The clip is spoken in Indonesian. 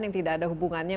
yang tidak ada hubungannya